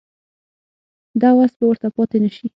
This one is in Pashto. د وس به ورته پاتې نه شي.